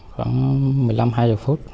khoảng một mươi năm hai mươi phút